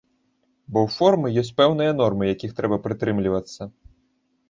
Бо ў формы ёсць пэўныя нормы, якіх трэба прытрымлівацца.